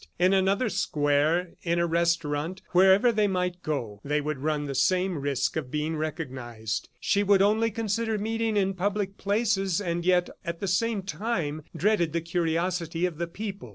In another square, in a restaurant, wherever they might go they would run the same risk of being recognized. She would only consider meetings in public places, and yet at the same time, dreaded the curiosity of the people.